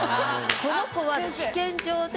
この子は試験場で